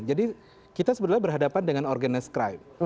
jadi kita sebenarnya berhadapan dengan organis crime